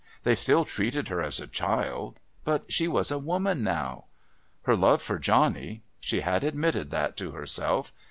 They still treated her as a child but she was a woman now. Her love for Johnny. She had admitted that to herself.